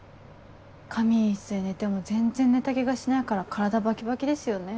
仮眠室で寝ても全然寝た気がしないから体バキバキですよね。